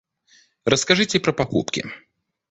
Расскажите про покупки.